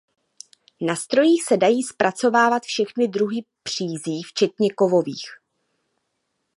Na strojích se dají zpracovávat všechny druhy přízí včetně kovových.